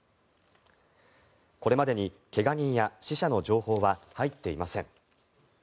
これまでに怪我人や死者の情報は入っていません。